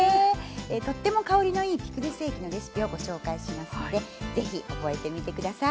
とっても香りのいいピクルス液のレシピをご紹介しますので是非覚えてみて下さい。